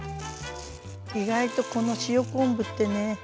意外とこの塩昆布ってね